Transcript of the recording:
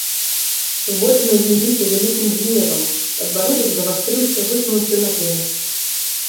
Вочы наліліся вялікім гневам, падбародак завастрыўся, высунуўся наперад.